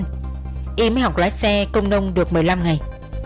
em mới học lái xe công nông được một mươi năm ngày